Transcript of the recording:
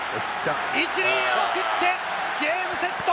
１塁へ送ってゲームセット！